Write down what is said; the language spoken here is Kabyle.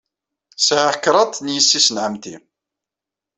Sɛiɣ kraḍt n yessi-s n ɛemmti.